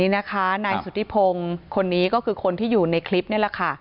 นี่นะคะนายสุธิพงศ์คนนี้ก็คือคนที่อยู่ในคลิปนี่แหละค่ะ